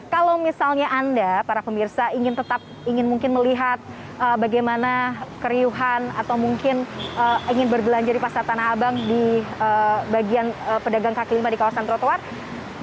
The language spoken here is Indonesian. kalau misalnya anda para pemirsa ingin tetap ingin mungkin melihat bagaimana keriuhan atau mungkin ingin berbelanja di pasar tanah abang di bagian pedagang kaki lima di kawasan trotoar